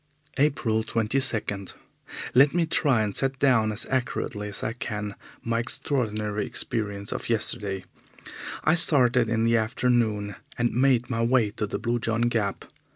April 22. Let me try and set down as accurately as I can my extraordinary experience of yesterday. I started in the afternoon, and made my way to the Blue John Gap.